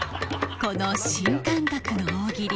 この新感覚の大喜利